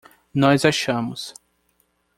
Nós achamos